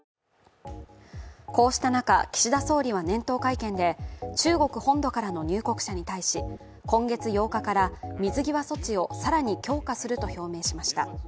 こうした中、岸田総理は年頭会見で中国本土からの入国者に対し今月８日から、水際措置を更に強化すると表明しました。